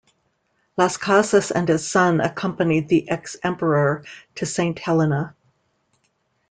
Las Cases and his son accompanied the ex-emperor to Saint Helena.